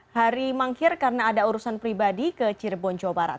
hari mangkir karena ada urusan pribadi ke cirebon jawa barat